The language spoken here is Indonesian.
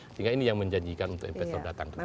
sehingga ini yang menjanjikan untuk investor datang ke sini